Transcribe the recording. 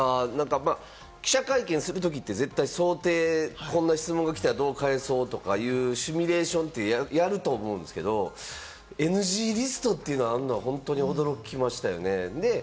記者会見するときって絶対想定、こういう質問が来たらどうするかというシミュレーションをやると思うんですけれども、ＮＧリストというのがあるのは本当驚きましたね。